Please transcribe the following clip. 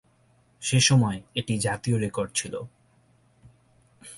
সেসময় এটি জাতীয় রেকর্ড ছিল।